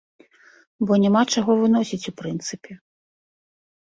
Бо няма чаго выносіць у прынцыпе!